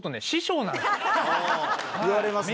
言われますよく。